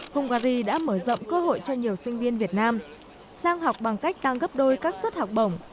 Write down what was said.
hungary đã mở rộng cơ hội cho nhiều sinh viên việt nam sang học bằng cách tăng gấp đôi các suất học bổng